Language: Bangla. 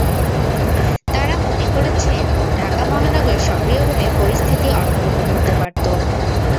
তাঁরা মনে করছেন, ঢাকা মহানগর সক্রিয় হলে পরিস্থিতি অন্যরকম হতে পারত।